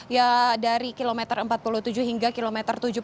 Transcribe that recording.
ya dari kilometer empat puluh tujuh hingga kilometer tujuh puluh tujuh